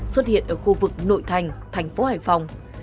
xuất hiện ở khu vực nội thành thành phố hải phòng